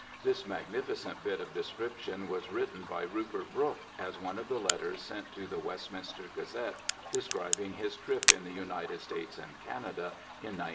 This magnificent bit of description was written by Rupert Brooke as one of the letters sent to the Westminster Gazette describing his trip in the United States and Canada in 1913.